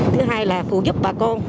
thứ hai là phụ giúp bà con